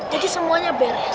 jadi semuanya beres